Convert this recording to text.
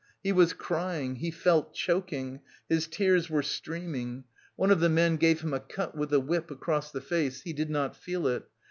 He was crying, he felt choking, his tears were streaming. One of the men gave him a cut with the whip across the face, he did not feel it.